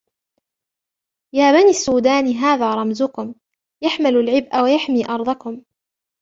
يا بني السودان هذا رمزكم يحمل العبء ويحمي أرضكم.